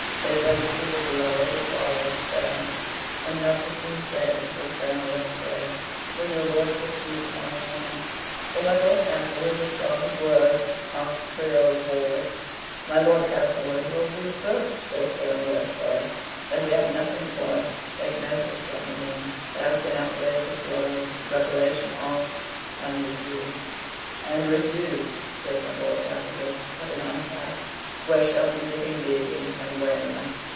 They tell the people below of the quarrel up stairs. "Enough has been said," says Colonel Westbury. "Will your lordships meet to morrow morning?" "Will my Lord Castlewood withdraw his words?" asks the Earl of Warwick. "My Lord Castlewood will be first," says Colonel Westbury. "Then we have nothing for it. Take notice, gentlemen, there have been outrageous words reparation asked and refused." "And refused," says my Lord Castlewood, putting on his hat. "Where shall the meeting be? and when?"